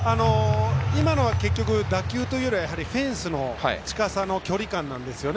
今のは結局打球というよりフェンスの近さの距離感ですね